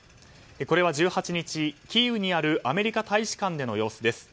これは１８日、キーウにあるアメリカ大使館での様子です。